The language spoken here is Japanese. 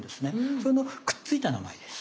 そのくっついた名前です。